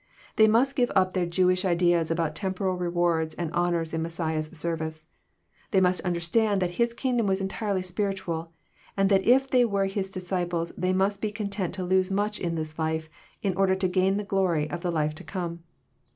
They must give up their Jewish ideas about temporal rewards and honours in Messiah's service. They must understand that His kingdom was entirely spiritual, and that if they were His disciples they must be content to lose much in this life, jn order to gain the glory of the life to come.